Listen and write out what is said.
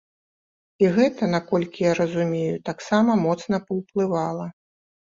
І гэта, наколькі я разумею, таксама моцна паўплывала.